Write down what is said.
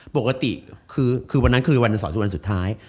ปกติคือวันนั้นคือวันสองสุดท้าย